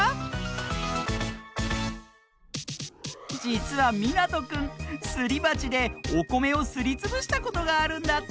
じつはみなとくんすりばちでおこめをすりつぶしたことがあるんだって！